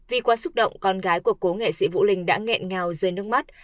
vì quá xúc động con gái của cổ nghệ sĩ vũ linh đã nghẹn nhào rơi nước mắt